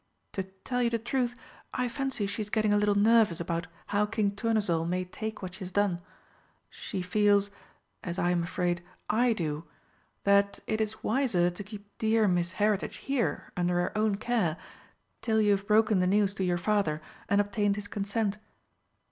"To tell you the truth, I fancy she is getting a little nervous about how King Tournesol may take what she has done. She feels as I am afraid I do that it is wiser to keep dear Miss Heritage here under her own care till you have broken the news to your Father and obtained his consent."